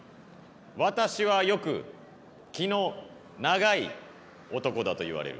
私はよく気の長い男だといわれる。